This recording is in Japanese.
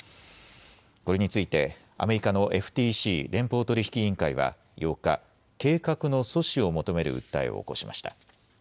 これについてアメリカのＦＴＣ・連邦取引委員会は８日、計画の阻止を求める訴えを起こしました。